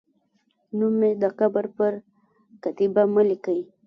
نوم مې د قبر پر کتیبه مه لیکئ